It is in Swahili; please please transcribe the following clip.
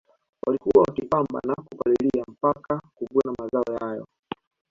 Walikuwa wakipanda na kupalilia mpaka kuvuna mazao hayo